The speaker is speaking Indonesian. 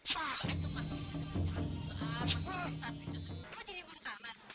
mau jadi pembuka kamar